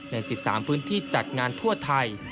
ใน๑๓พื้นที่จัดงานทั่วไทย